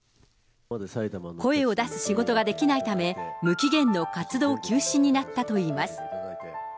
声を出す仕事ができないため、無期限の活動休止になったといいます。